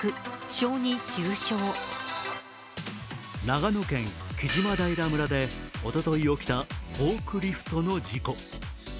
長野県木島平村でおととい起きたフォークリフトの事故。